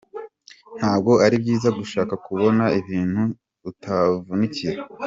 Ntabwo ari byiza gushaka kubona ibintu utavunikiye.